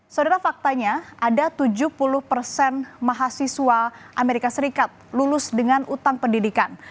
saudara faktanya ada tujuh puluh persen mahasiswa amerika serikat lulus dengan utang pendidikan